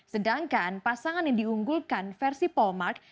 sedangkan pasangan yang diunggulkan versi paul mark